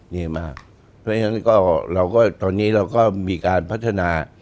เพราะฉะนั้นก็เราก็ตอนนี้เราก็มีการพัฒนา